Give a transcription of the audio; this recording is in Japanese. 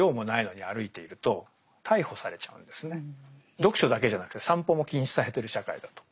読書だけじゃなくて散歩も禁止されてる社会だと。